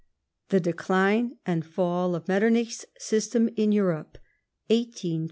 THE DECLINE AND FALL OF METTEENICH'S SYSTEM IN EUROPE. 1830 1848.